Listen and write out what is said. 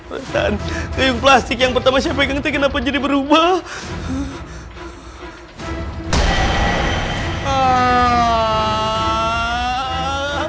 pesan tim plastik yang pertama saya pegang itu kenapa jadi berubah